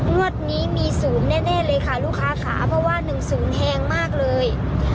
งวดนี้มี๐แน่เลยค่ะลูกค้าขาเพราะว่า๑๐แพงมากเลย